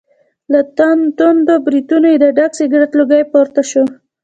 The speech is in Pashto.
له تاندو برېتونو یې د ډک سګرټ لوګی پور ته شو.